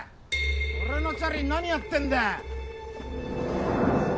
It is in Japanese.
俺のチャリに何やってんだ！